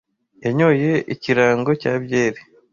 yanyoye ikirango cya byeri